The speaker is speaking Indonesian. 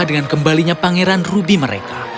dengan kembalinya pangeran ruby mereka